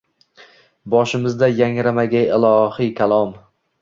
Boshimizda yangramagay ilohiy kalom.